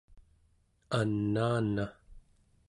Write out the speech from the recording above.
anaana